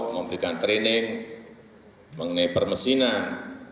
memberikan training mengenai permesinan